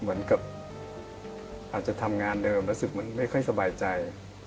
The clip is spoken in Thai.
เหมือนกับอาจจะทำงานเดิมแล้วรู้สึกมันไม่ค่อยสบายใจ